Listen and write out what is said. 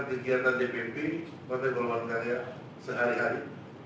kegiatan dpp partai golongan karya sehari hari